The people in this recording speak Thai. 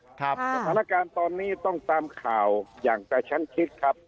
สถานการณ์ตอนนี้ต้องตามข่าวอย่างกระชั้นชิดครับ